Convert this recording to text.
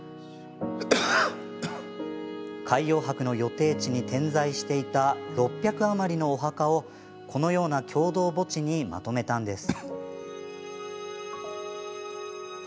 海洋博の予定地に点在していた６００余りのお墓をこのような共同墓地にまとめたんです。